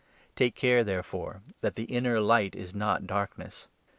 Take care, therefore, that the inner Light 35 is not darkness.